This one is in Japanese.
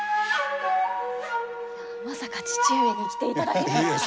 まさか父上に来ていただけるとは。